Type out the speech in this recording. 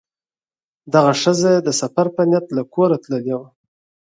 دغه ښځه یې د سفر په نیت له کوره تللې وه.